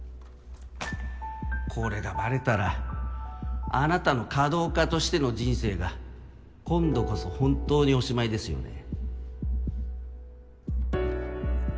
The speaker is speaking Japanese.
これがバレたらあなたの華道家としての人生が今度こそ本当におしまいですよね